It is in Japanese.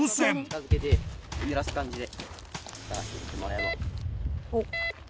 近づけて揺らす感じで。